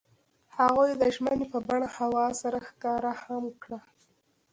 هغوی د ژمنې په بڼه هوا سره ښکاره هم کړه.